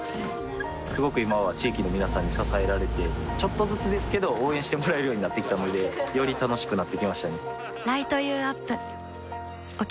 すごく今は地域の皆さんに支えられてちょっとずつですけど応援してもらえるようになってきたのでより楽しくなってきましたね